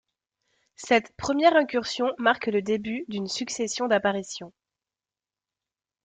Cette première incursion marque le début d'une successions d’apparitions.